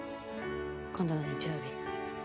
今度の日曜日。